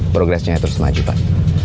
progresnya terus maju pak